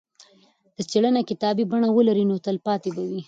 که څېړنه کتابي بڼه ولري نو تلپاتې به وي.